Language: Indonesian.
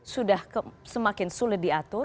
sudah semakin sulit diatur